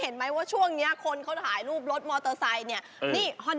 เอ้าขายาวขายาว